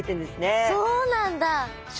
そうなんだ！